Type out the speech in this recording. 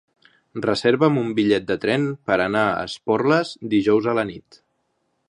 Reserva'm un bitllet de tren per anar a Esporles dijous a la nit.